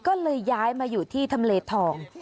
ก็เลยย้ายมาอยู่ที่ทำเลทอง